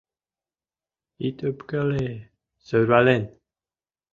Ит ӧпкеле, сӧрвален.